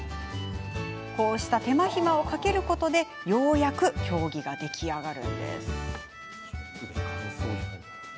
こうした手間暇をかけることでようやく経木が出来上がります。